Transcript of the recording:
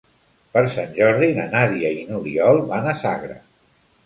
Per Sant Jordi na Nàdia i n'Oriol van a Sagra.